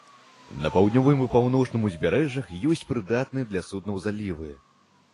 На паўднёвым і паўночным узбярэжжах ёсць прыдатныя для суднаў залівы.